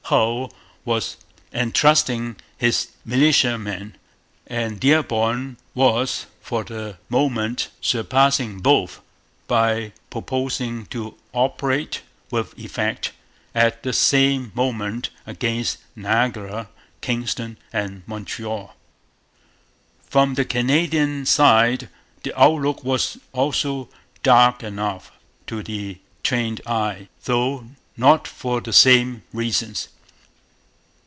Hull was 'enthusing' his militiamen. And Dearborn was for the moment surpassing both, by proposing to 'operate, with effect, at the same moment, against Niagara, Kingston, and Montreal.' From the Canadian side the outlook was also dark enough to the trained eye; though not for the same reasons.